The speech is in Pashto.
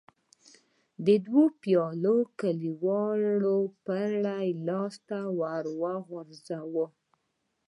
دوو پياوړو کليوالو پړي ته لاس ور وغځاوه.